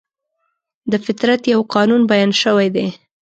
د فطرت یو قانون بیان شوی دی.